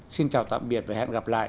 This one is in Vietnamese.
xin chào tạm biệt và hẹn gặp lại